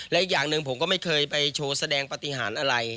และอีกอย่างหนึ่งผมก็ไม่เคยไปโชว์แสดงปฏิหารอะไร